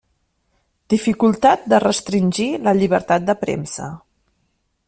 Dificultat de restringir la llibertat de premsa.